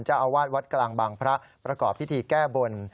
เจ้าอาวาสวัดกลางบางพระประกอบพิธีแก้บน